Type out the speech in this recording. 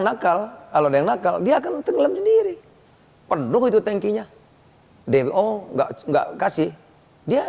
nakal kalau dengar kalau dia akan tergelam sendiri penuh itu tankinya demo enggak enggak kasih dia